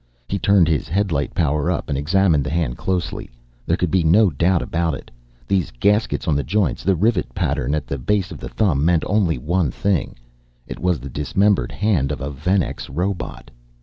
He turned his headlight power up and examined the hand closely, there could be no doubt about it. These gaskets on the joints, the rivet pattern at the base of the thumb meant only one thing, it was the dismembered hand of a Venex robot.